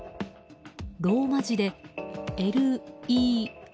ローマ字でＬＥＩＫＯ。